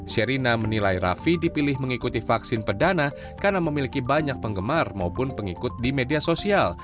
sherina menilai rafi dipilih mengikuti vaksin perdana karena memiliki banyak penggemar maupun pengikut di media sosial